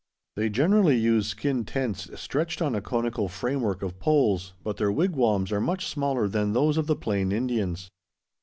They generally use skin tents stretched on a conical framework of poles, but their wigwams are much smaller than those of the Plain Indians.